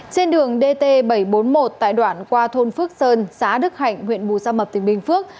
trên đường dt bảy trăm bốn mươi một tại đoạn qua thôn phước sơn xã đức hạnh huyện bù gia mập tỉnh bình phước